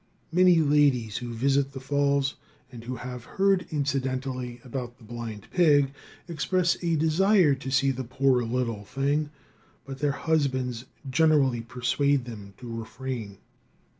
Many ladies who visit the falls, and who have heard incidentally about the blind pig, express a desire to see the poor little thing, but their husbands generally persuade them to refrain.